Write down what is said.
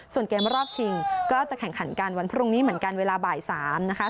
ส่วนเกมรอบชิงก็จะแข่งขันกันวันพรุ่งนี้เหมือนกันเวลาบ่าย๓นะคะ